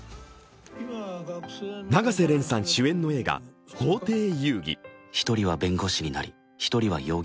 永瀬廉さん主演の映画「法廷遊戯」。